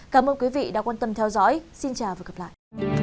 cảm ơn quý vị đã theo dõi xin chào và hẹn gặp lại